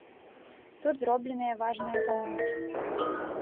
Тут зробленыя важныя памылкі.